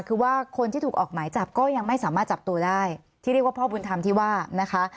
คือว่าคนที่ถูกออกหมายจับก็ยังไม่สามารถจับตัวได้ที่เรียกว่าพ่อบุญธรรมที่ว่านะคะ